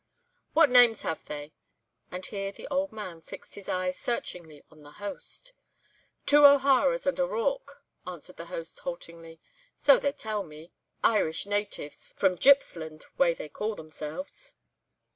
What names have they?" And here the old man fixed his eye searchingly on the host. "Two O'Haras and a Rorke," answered the host, haltingly. "So they tell me—'Irish natives,' from Gippsland way they call themselves."